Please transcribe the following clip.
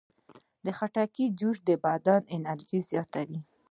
د خټکي جوس د بدن انرژي زیاتوي.